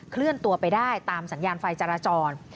เคลื่อนตัวไปได้ตามสัญญาณไฟจราจร